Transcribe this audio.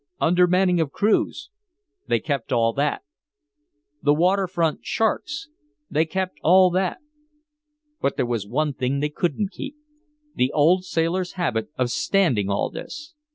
Undermanning of crews they kept all that. The waterfront sharks they kept all that. But there was one thing they couldn't keep the old sailor's habit of standing all this!